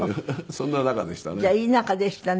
そんな仲でしたね。